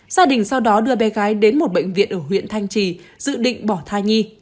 gia đình sau đó đưa bé gái đến một bệnh viện ở huyện thanh trì dự định bỏ thai nhi